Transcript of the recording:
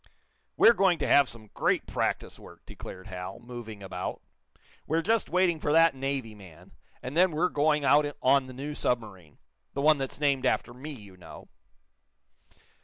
"We're going to have some great practice work," declared Hal, moving about. "We're just waiting for that Navy man, and then we're going out on the new submarine the one that's named after me, you know."